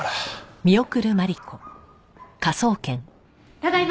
ただいま。